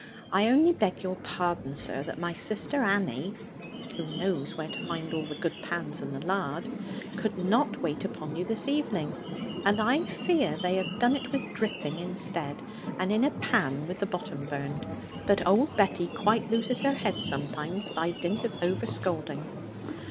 I only beg your pardon, sir, that my sister Annie (who knows where to find all the good pans and the lard) could not wait upon you this evening; and I fear they have done it with dripping instead, and in a pan with the bottom burned. But old Betty quite loses her head sometimes, by dint of over scolding.'